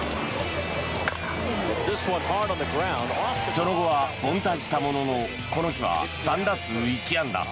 その後は凡退したもののこの日は３打数１安打。